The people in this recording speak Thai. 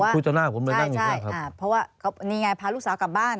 พูดต่อหน้าผมเลยนั่นไงใช่ครับเพราะว่านี่ไงพาลูกสาวกลับบ้าน